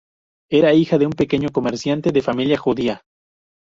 Era hija de un pequeño comerciante de familia judía.